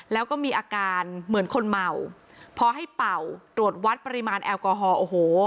แล้วก็มีอาการเหมือนคนเมาพอให้เป่าตรวจวัดปริมาณแอลกอฮอลโอ้โห